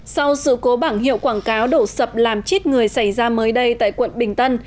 sau sự cố bảng hiệu quảng cáo đổ sập làm chết người xảy ra mới đây tại quận bình tân